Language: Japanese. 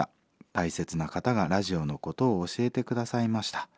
大切な方がラジオのことを教えて下さいました。